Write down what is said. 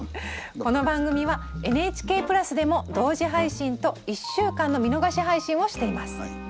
この番組はＮＨＫプラスでも同時配信と１週間の見逃し配信をしています。